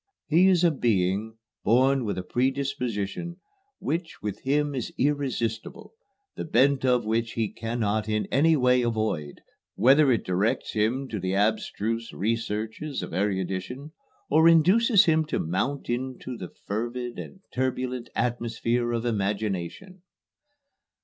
He is a being born with a predisposition which with him is irresistible, the bent of which he cannot in any way avoid, whether it directs him to the abstruse researches of erudition or induces him to mount into the fervid and turbulent atmosphere of imagination."